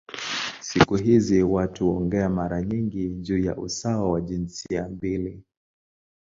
Siku hizi watu huongea mara nyingi juu ya usawa wa jinsia mbili.